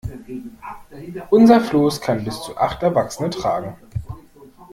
Unser Floß kann bis zu acht Erwachsene tragen.